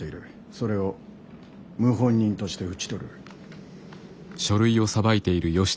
それを謀反人として討ち取る。